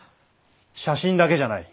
写真だけじゃない。